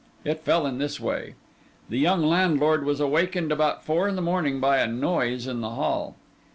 It fell in this way. The young landlord was awakened about four in the morning by a noise in the hall.